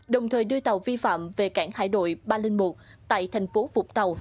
đồng thời đưa tàu vi phạm về cảng hải đội ba trăm linh một tại thành phố phục tàu